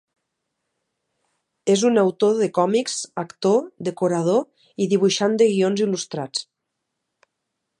És un autor de còmics, actor, decorador i dibuixant de guions il·lustrats.